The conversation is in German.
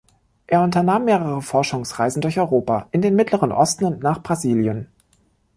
Er unternahm mehrere Forschungsreisen durch Europa, in den Mittleren Osten und nach Brasilien.